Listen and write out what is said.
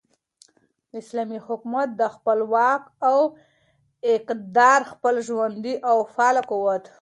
اسلامي حكومت دخپل واك او اقتدار ،خپل ژوندي او فعال قوت ،